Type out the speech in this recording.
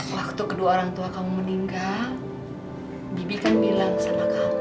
waktu kedua orang tua kamu meninggal bibi kan bilang sama kamu